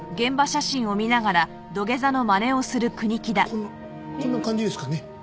こんなこんな感じですかね？